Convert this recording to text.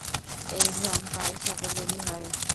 এই ভ্রম প্রায় সকলেরই হয়।